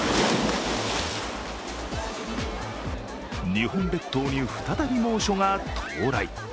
日本列島に再び猛暑が到来。